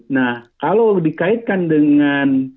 nah kalau dikaitkan dengan